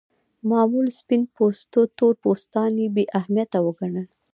معمول سپین پوستو تور پوستان بې اهمیت وګڼل.